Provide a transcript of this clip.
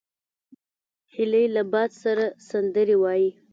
هیلۍ له باد سره سندرې وايي